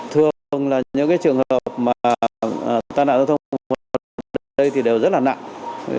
thường là những trường hợp tai nạn giao thông ở đây thì đều rất là nặng